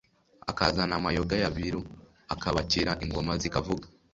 akazana amayoga y'abiru akabakira ingoma zikavuga,